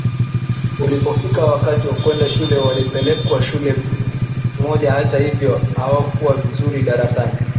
Ulipofika wakati wa kwenda shule walipelekwa shule mojahata hivyo hawakuwa vizuri darasani